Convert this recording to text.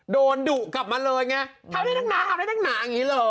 โดนดุกลับมาเลยอย่างนี้ทำได้ดังหนา